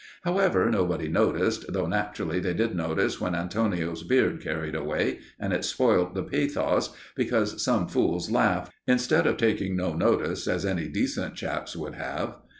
However, nobody noticed, though naturally they did notice when Antonio's beard carried away, and it spoilt the pathos, because some fools laughed, instead of taking no notice, as any decent chaps would have.